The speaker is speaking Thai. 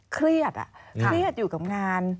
เครียดเครียดอยู่กับงาน